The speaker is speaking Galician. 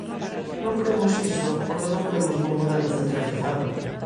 Non cremos iso, porque non cremos nun modelo centralizado.